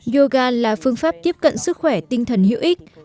yoga là phương pháp tiếp cận sức khỏe tinh thần hữu ích